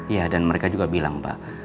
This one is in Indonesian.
iya dan mereka juga bilang pak